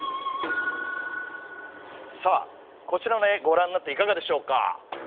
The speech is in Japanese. さあこちらの絵ごらんになっていかがでしょうか？